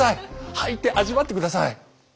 履いて味わって下さい！